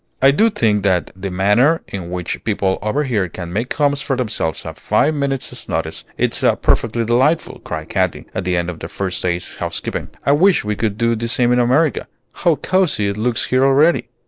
"I do think that the manner in which people over here can make homes for themselves at five minutes' notice is perfectly delightful," cried Katy, at the end of their first day's housekeeping. "I wish we could do the same in America. How cosy it looks here already!"